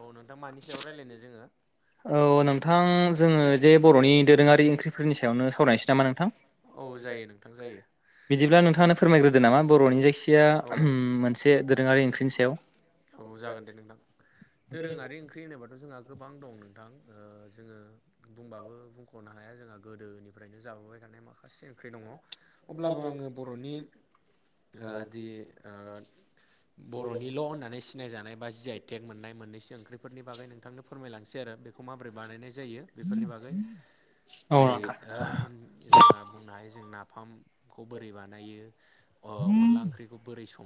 औ नोंथां मानि सायाव रायलायनो जोंङो? औ नोंथां जोंङो जे बर'नि दोरोंङारि ओंख्रिफोरनि सायावनो सावरायनोसै नामा नोंथां? औ जायो। बिदिब्ला नोंथांआनो फोरमायग्रोदो नामा बर'नि जायखिजया उम मोनसे एसे दोरोंङारि ओंख्रिनि सायाव औ जागोन दे नोंथां दोरोंङारि ओंख्रि होनोबाथ' जोंहा गोबां दं नोंथां जोङो, बुंबाबो बुंख'नो हाया जोंहा गोदोनिफ्रायनो जाबोबाय थानाय माखासे ओंख्रि दङ, अब्लाबो आङो बर'नि, ओ दि बर'निल' होनना सिनाय जानाय बा जि आइ टेग मोननाय मोननैसो ओंख्रिफोरनि बागै नोंथांनो फोरमायलांसै आरो बेखौ माबोरै बानायनाय जायो। बेफोरनि बागै जेरै जोंहा बुंनो हायो जों नाफामखौ बोरै बानायो। अनला ओंख्रिखौ बोरै सङो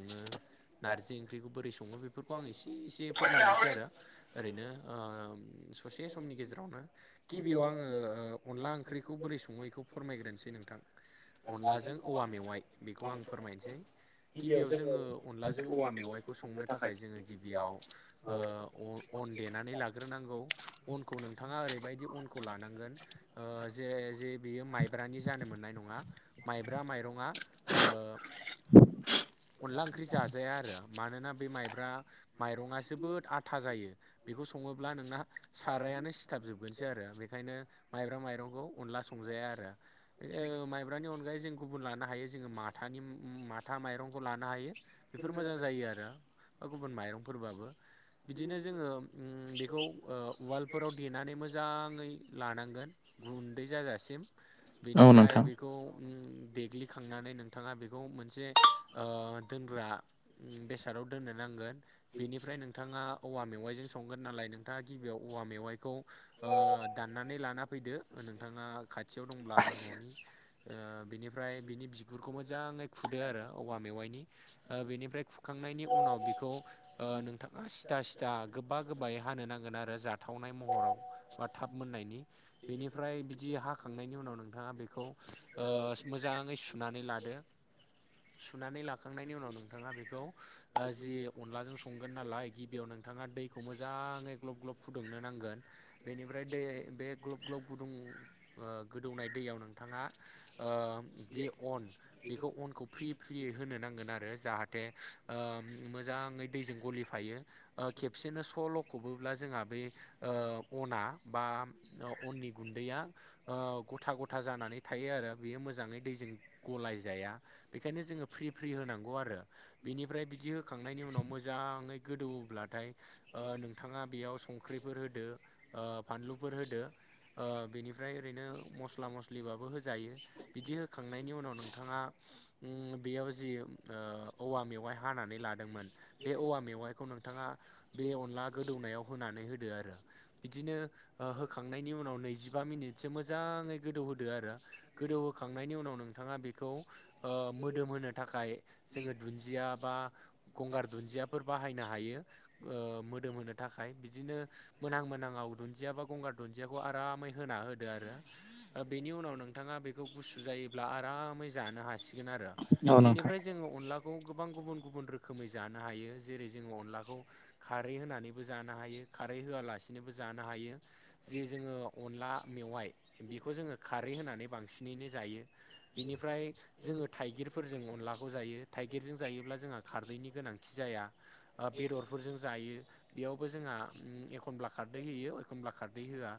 नारजि ओंख्रिखौ बोरै सङो बेफोरखौ, खौ आं इसे इसे फोरमायलांसै आरो ओरैनो ससे समनि गेजेरावनो, गिबियाव आङो अनला ओंख्रिखौ बोरै सङोै बेखौ फोरमायग्रोनोसै नोंथां, अनलाजों औवा मेवाइ बेखौ आं फोरमायनोसै, गिबियाव जोङो अनलाजों औवा मेवाइखौ संनो, थाखाय जोङो गिबियाव अन देनानै लागोन, होनांगौ अनखौ नोंथां ओरैबादि अनखौ लानांगोन ओ जे जे बेयो माइब्रानि जानो मोननाय नङा, माइब्रा माइरंआ ओ अनला ओंख्रि जाजाया आरो मानोना, बे माइब्रा माइरंआ जोबोद आथा जायो। बेखौ सङोब्ला नोंना, सारायानो सिथाब जोबगोनसो आरो बेखायनो माइब्रा माइरंखौ अनला संजाया आरो माइब्रानि अनगायै जों गुबुन लानो हायो जोङो माथ माथानि माथा माइरंखौ लानो हायो बेफोर मोजां जायो आरो बा गुबुन माइरंफोरबाबो, बिदिनो जोङो बेखौ वालफोराव देनानै मोजाङै लानांगोन, गुन्दै जाजासिम बेनिफ्राय बे खौ देग्लिखांनानै नोंथाङा बेखौ मोनसे ओ दोनग्रा, उम बेसादाव दोननो नांगोन बेनिफ्राय नोंथाङा औवा मेवाइजों संगोन नालाय नोंथाङा गिबियाव औवा मेवाइखौ, ओ दाननानै लाना फैदो नोंथाङा खाथियाव दंब्ला न'नि बिनिफ्राय बिनि बिगुरखौ मोजाङै, खुदो आरो औवा मेवाइनि बेनिफ्राय खुखांनायनि उनाव बेखौ नोंथाङा सिथा सिथा गोबा गोबायै हानो नांगोन आरो जाथावनाय महराव, बा थाब मोननायनि बेनिफ्राय बिदि हाखांनायनि उनाव नोंथाङा बेखौ ओ मोजाङै सुनानै लादो सुनानै लाखांनायनि उनाव नोंथाङा बेखौ, आ जि अनलाजों संगोन नालाय गिबियाव नोंथाङा दैखौ मोजाङै ग्लब ग्लब फुदुंनो नांगोन, बेनिफ्राय दै बे ग्लब ग्लब गुदुं गोदौनाय दैयाव नोंथाङा, ओ जि अन बेखौ अनखौ फ्रि फ्रि होनो नांगोन आरो जाहाथे मोजाङै दैजों गलिफायो। खेबसेनो सल'खबोब्ला जोंहा बे अना बा अननि गुन्दैया गथा गथा जानानै थायो आरो बेयो मोजाङै दैजों गलायजाया बेखायनो जोङो फ्रि फ्रि होनांगौ आरो बिनिफ्राय बिदि होखांनायनि उनाव मोजाङै गोदौ ब्लाथाय नोंथाङा बेयाव संख्रिफोर होदो फानलुफोर होदो ओ बेनिफ्राय ओरैनो मस्ला मस्लिबाबो होजायो। बिदि होखांनायनि उनाव नोंथाङा बेयाव जि ओ औवा मेवाइ हानानै लादोंमोन बे औवा मेवाइखौ नोंथाङा, बे अनला गोदौनायाव होनानै होदो आरो बिदिनो होखांनायनि उनाव नैजिबा मिनिटसो मोजाङै गोदौहोदो आरो गोदौहोखांनायनि उनाव नोंथाङा बेखौ मोदोम होनो थाखाय जोङो दुन्दिया बा गंगार दुन्दियाफोर बाहायनो हायो मोदोम होनोनो थाखाय बिदिनो मोनां मोनाङाव दुन्दिया बा गंगार दुन्दियाखौ आरामै होना होदो आरो बेनि उनाव नोंथाङा बेखौ गुसु जायोब्ला आरामै जानो हासिगोन आरो बेनिफ्राय जोङो अनलाखौ गोबां गुबुन गुबुन रोखोमै जानो हायो जेरै जोङो अनलाखौ खारै होनानैबो जानो हायो खारै होआलासिनोबो जानो हायो जे जोङो अनला मेवाइ बेखौ जोङो खारै होनानै बांसिनैनो जायो बिनिफ्राय जोङो थाइगिरफोरजों अनलाखौ जायो थाइगिरजों जायोब्ला जोंहा खारदैनि गोनांथि जाया बेदरफोरजों जायो बेयावबो जोंहा एखनब्ला खारदै होयो एखनब्ला खारदै होआ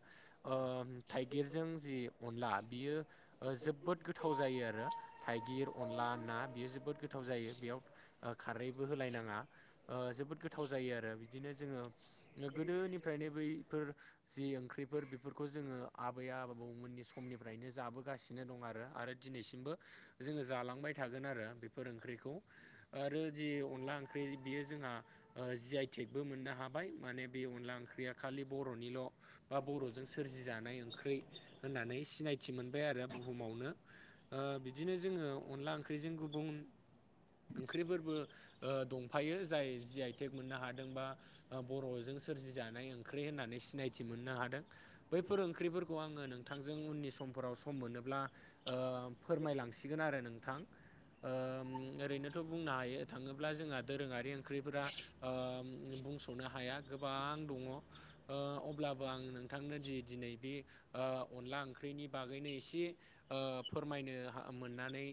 थाइगिरजों जि अनला बियो जोबोद गोथाव जायो आरो थाइगिर अनला ना बेयो जोबोद गोथाव गोथाव जायो बेयाव खारैबो होलायनाङा जोबोद गोथाव जायो आरो बिदिनो जोङो गोदोनिफ्रायनो बैफोर जि ओंख्रिफोर बेफोरखौ जोङो आबै आबबौमोननि समनिफ्रायनो जाबोगासिनो नो दं आरो आरो दिनैसिमबो जोङो जालांबाय थागोन आरो बेफोर ओंख्रिखौ आरो जि अनला ओंख्रि बियो जोंहा जि आइ टेकबो मोननो हाबाय माने बे अनला ओंख्रिया खालि बर'निल' बा बर'जों सोरजि जानाय ओंख्रि होननानै सिनायथि मोनबाय आरो बुहुमावनो बिदिनो जोङो अनला ओंख्रिजों गुबुन ओंख्रिफोरबो दंफायो जाय जि आइटेक मोननो हादों बा बर'जों सोरजिजानाय ओंख्रि होननानै सिनायथि मोननो हादों बैफोर ओंख्रिफोरखौ आङो नोंथांजों उननि समफोराव स सम मोनोब्ला फोरमायलांसिगोन आरो नोंथां ओरैनोथ' बुंनो हायो थाङोब्ला जोंहा दोरोङारि ओंख्रिफोरा बुं स'नो हाया गोबां दङ अब्लाबो आं नोंथांनो दि दिनै बे अनला ओंख्रिनि बागैनो एसे फोरमायनो मोननानै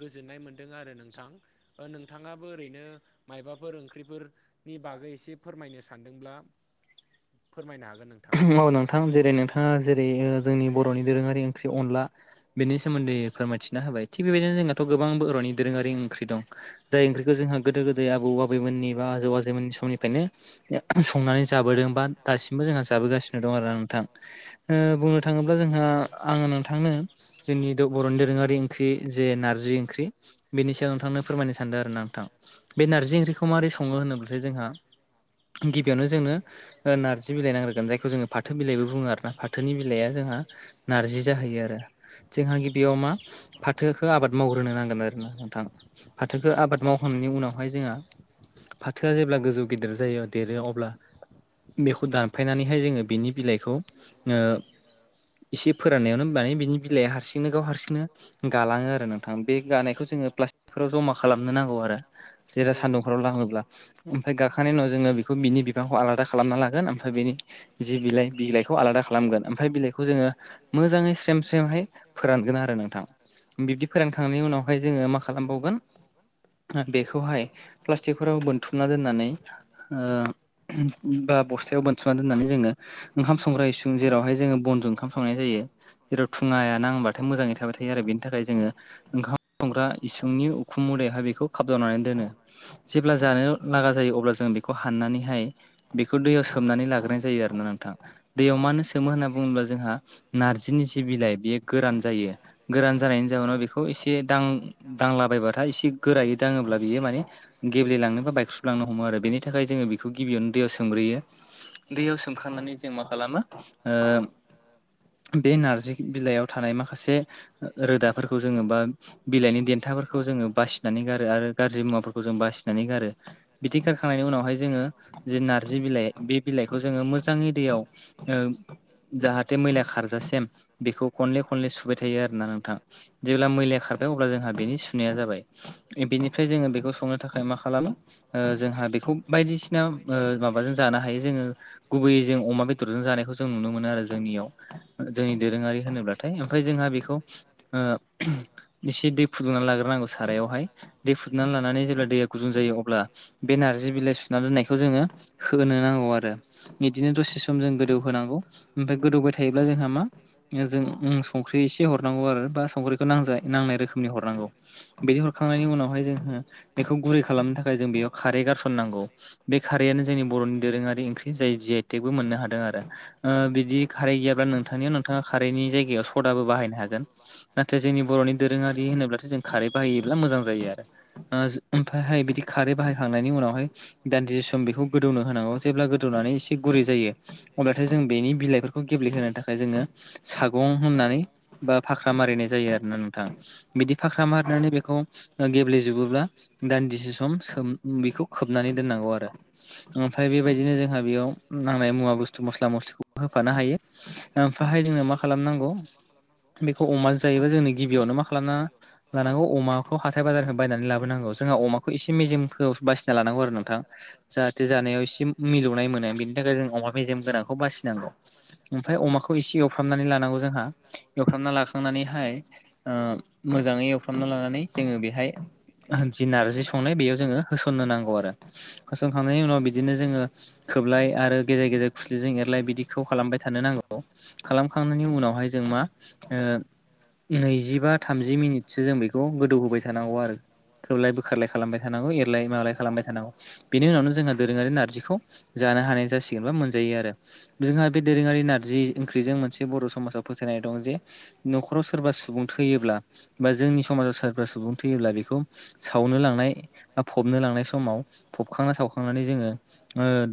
गोजोननाय मोनदों आरो नोंथां नोंथाङाबो ओरैनो मायबाफोर ओंख्रिफोर नि बागै एसे फोरमायनो सानदोंब्ला फोरमायनो हागोन नोंथां नोंथां जेरै नोंथाङा जेरै जोंनि बर'नि दोरोङारि ओंख्रि अनला बेनि सोमोन्दै फोरमायथिना होबाय थिग बेबायदिनो जोंनाथ' गोबां बर'नि दोरोङारि ओंख्रि दं जाय ओंख्रिखौ जोंहा गोदो गोदाय आबौ आबैमोननि बा आजौ आजैमोननि समनिफ्रायनो संनानै जाबोदोंबा दासिमबो जोंहा जाबोगासिनो दं आरोा नोंथां बुंनो थाङोब्ला जोंहा आंोनानै थांनो जोंनि द' बर'नि दोरोङारि ओंख्रि जे नारजि बेनि सायाव नोंथांनो फोरमायनो सानदों आरो ना नोंथां बे नारजि ओंख्रिखौ माबोरै सङो होनोब्लाथाय जोंहा गिबियावनो जोंङनो नारजि बिलाइ नांग्रोगोन जायखौ जोङो फाथो बिलाइबो बुङो आरोना फाथोनि बिलाइया जोंहा नारजि जाहैयो आरो जोंहा गिबियाव मा फाथोखौ आबाद मावग्रोनो नांगोन आरोोना नोंथां फाथोखौ आबाद मावखांनायनि उनावहाय जोंहा फाथोआ जेब्ला गोजौ गेदेर जायो देरो अब्ला [unintelligible] बेखौ दानफायनानैहाय जोङो बिनि बिलाइखौ एसे फोराननायावनो बानाय बिनि बिलाइआ हारसिंनो गाव हारसिंनो गालाङो आरो नोंथांा बे गानायखौ जोङो प्लास्टिक ाव जमा खालामनो नांगौ आरो जेरा सान्दुंफोराव लाङोब्ला ओमफफ्राय गाखांनायनि उनाव जोङो बेखौ बिनि बेखौ आलादा खालाम लागोन मफ्राय बिनि बिलाइ बिलाइखौ आलादा खालामगोन मफ्राय बिलाइखौ जो मै सेम सेमहाय फोरानगोन आरो नोंथांा बिब्दि फोरानखांनायनि उनावहाय जोङो मा खालामबावगोन बेखौहाय प्लास्टिकफोराव बोनथुमना दोननानै बा बस्थायाव मोनथुमनानै दोननानै जोङो ओंख संग्र इस जेरावहाय जोङो बनजों ओंखाम संनाय जायो जेराव थुङाया नांबथाय' मोजाङै थाबाय थायो आरो बेनि थाखाय जोङो ओंखाम संग्रा इसंनि उखुम मुदैहााय बेखौ खाबदावनानै दोनो जेब्ला जानो लागा जायो अब्ला जों बेखौ हाननानैहाय बेखौ दैयाव सोमनानै लाग्रोनाय जायो आरो ना नोंथां दैयाव मानो सोमो होनना बुङोब्ला जोंहा नारजि जिनि जि बिलाइ बियो गोरान जायो गोरान जानायनि जाउनाव बेखौ एसे दां दांलाबायबाथाय एसे गोरायै दाङोब्ला बियो मान गेब्लेलांनो बा बायकस्रुलांनो हमो आरो बेनि थाखाय जोङो बि बेखौ गिबियावनो दैयाव सोमब्रोयो दैयाव सोमखांनानै जों मा खालामो बे नारजि बिलाइयाव थानाय माखासे रोदाफोरखौ जोङो बा बिलाइनि देन्थाफोरखौ जोङो बासिनानै गारो आरो गाज्रि मुवाफोरखौ जों बासिनानै गारो बिथिं खारखांनायनि उनावहाय जोङो जे नारजि बिलाइ बे बिलाइखौ जोङो मोजाङै दैयाव जाहाथे मैला खारजासिम बेखौ खनले खनले सुबाय थायो आरोना नोंथां जेब्ला मैलाया खारबाय अब्ला जोंहा बेनि सुनाया जाबाय बेनिफ्राय जोङो बेखौ संनो थाखाय मा खालामो जोंहा बेखौ बायदिसिना माबा ों जानो हायो जोङो गुबैयै जों अमा बेदरजों जानायखौ जों नुनो मोनो आरो जोंनियाव जोंनि दोरोङारि होनोब्लाथाय ओमफ्राय जोंहा बेखौ एसे दै फुदुंना लागोन हाय दै फुनानै ल जे दै गुुं जायो अ बिइ सना दोननायखौ जोङो होनो नांगौ आरो बिदिनो दसे सम जों गोदौ होनांगौ ओमफफ्राय गोदौबाय थायोब्ला जोंहा मा जों संख्रि एसे हरनांगौ आरो बा संख्रिखौ नांज नांनाय रोखोमनि हर हनांगौ बिदि हरखांनायनि उनावहाय जोङो बेखौ गुरै खालामनो थाखाय जों बेयाव खारै गारसननांगौ बे खारैयानो जोंनि बर'नि दोरोङारि ओंख्रि जाय जि आइटेकबो मोननो हादों आरो बिदि खारै गैयाब्ला नोंथांनियाव नोंथाङा खारैनि जायगायाव सदाबो बाहायनो हागोन नाथाय जोंनि बर'नि दोरोङारि बि होनोब्लाथाय जों खारै बाहायोब्ला मोजां जायो आरो ओमफ्रायहाय बिदि खारै बाहायखांनायनि उनावहाय दान्दिसे सम बेखौ गोदौनो होनांगौ जेब्ला गोदौनानै एसे गुरै जायो अब्लाथाय जों बेनि बिलाइफोरखौ गेब्लेहोनो थाखाय जोङो सागं होननानै बा फाख्रा मारिनाय जायो आरोोना नोंथांा फाख्रा मारनानै बेखौ गेब्लेजोबोब्ला दान्दिसे सम बेखौ खोबनानै दोननांगौ आरो ओमफ्राय बेबायदिनो जोंहा बेयाव नांनाय मुवा बुस्थु मस्ला मस्लिखौ होफानो हायो ओमफ्रायहाय जोंनो मा खालामनांगौ बेखौ अमाो जायोबा जोंनो गिबियावनो मा खालामनांगौ ाखौ हाथाय बाजार बायनानै लाबोनांगौ जोंहा अमाखौ एसे मेजम फ लानांगौ आरो नोंथां जाहाथे जानायाव एसे मिलौनाय मोनो बेनि थाखाय जों अमा मेजेम गोनांखौ बासिनांगौ ओमफ्राय अमाखौ एसे एवफ्रामनानै लानांगौ जोंहा एवफ्रामना लाखांनानैहाय मोजाङै ुना लानानै जोङो बेहाय जि नारजि संनाय बेयाव जोङो होसननो नांगौ आरो फारसंखांनायनि उनाव बिदिनो जोङो खोबलाय आरो गेजेर गेजेर खुस्लिजों एरलाय बिदिखौ खालामबाय थानो नांगौ खालामखांनायनि उनावहाय जों मा नैजिबा थामजि मिनिटसो जों बेखौ गोदौ होबाय थानांगौ आरो खोबलाय बोखारलाय खालामबाय थानांगौ एरलाय माबालाय खालामबाय थानांगौ बेनि उनावनो जोंहा दोरोङारि नारजिखौ जानो हानाय जासिगोन बा मोनजायो आरो जोंहा बे दोरोङारि नारजि ओंख्रिजों मोनसे बर' समाजाव फोथायनाय दं जे न'खराव सोरबा सुबुं थैयोब्ला बा जोंनि समाजाव सोरारिबा सुबुं थैयोब्ला बेखौ सावनो लांनाय बा फबनो लांनाय समाव फबखांना सावखांनानै जोङो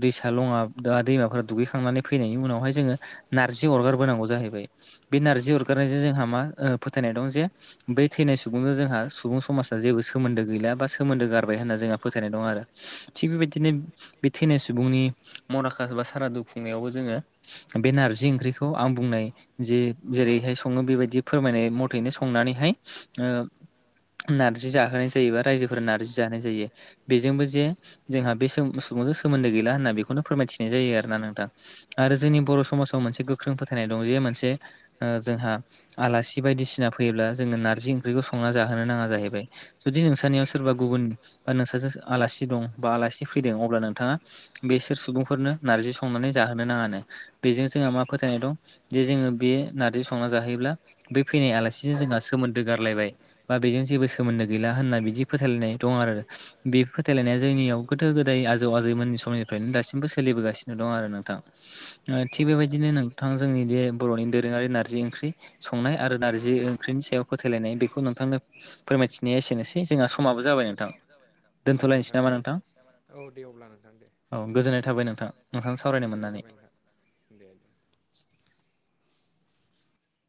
दैसा लङा दा दैमाफोरा दुगैखांनानै फैनायनि उनावहाय जोङो नार्जि अरगारबोनांगौ जाहैबाय बे नारजि अरगारनायजों जोंहा मा फोथायनाय दं जे बै थैनाय सुबुंजों जोंहा सुबुं समाजा जेबो सोमोन्दो गैला बा सोमोन्दो गारबाय होन्ना जोंहा फोथायनाय दं आरो थिग बेबायदिनो बे थैनाय सुबुंनि मराकास बा सारादु खुंनायावबो जोङो बे नारजि ओंख्रिखौ आं बुंनाय ज जेरैहाय सङो बेबायदि फोरमायनाय मथेैनो संनानैहाय नारजि जाहोनाय जायोबा रायजोफोरा नार्जि जाहाय जायो बेजोंबो जोंहा बे सुबुंजों सोमोन्दो गैला होनना बेखौनो फोरमायथिनाय जायो आरोना नोंथां आरो जोंनि बर' समाजाव मोनसे गोख्रों फोथायनाय दं जे मोनसे जोंहा आलासि बायदिसिना फैयोब्ला ग्रिखौ संना जाहोनो नाङा जाहैबाय जुदि नोंसोरनियाव सोरबा गुबुन बा नोंसासो आलासि दं बा आलासि फैदों अब्ला नोंथाङा बेसोर सुबुंफोरनो नारजि संनानै जाहोनो नाङानो बेजों जोंहा मा फोथायनाय दं जे जोङो बे नार्जि संना जाहैयोब्ला बे फैनाय आला थिजो जोंना सोमोन्दो गारलायबाय बा बेजों जेबो सोमोन्दो गैला होनना बिदि फोथायलायनाय दं आरो बे फोथाय नायनाया जोंनियाव गोदो गोदाय आजौ आजैमोननि समनिफ्रायनो दासिमबो सोलिबोगासिनो दं आरो नोंथां। ओ थिग बेबायदिनो नोंथां जोंनि बे बर'नि दोरोङारि नारजि ओंख्रि संनाय आरो नारजि ख्रिनि सायाव फोथायलायनाय बेखौ नोंथांनो फोरमायथिनाया एसेनोसै जोंहा समाबो जाबाय नोंथां। जाबाय नोंथां। औ नोंथां दे औ दे अब्ला नोंथां दे गोजोननाय थाबाय ‌। था दे दे।